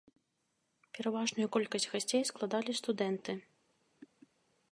Пераважную колькасць гасцей складалі студэнты.